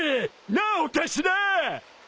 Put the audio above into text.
なあお頭。